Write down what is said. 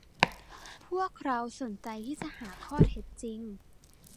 พวกเราสนใจที่จะหาข้อเท็จจริง